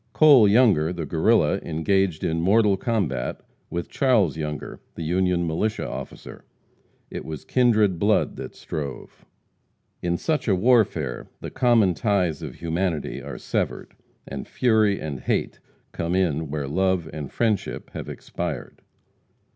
Cole Younger, the Guerrilla, engaged in mortal combat with Charles Younger, the Union militia officer; it was kindred blood that strove. In such a warfare the common ties of humanity are severed, and fury and hate come in where love and friendship have expired.